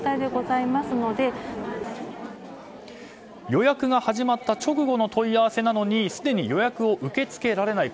予約が始まった直後の問い合わせなのにすでに予約を受け付けられない。